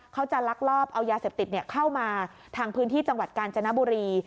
ลักลอบเอายาเสพติดเข้ามาทางพื้นที่จังหวัดกาญจนบุรี